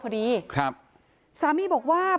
พี่ทีมข่าวของที่รักของ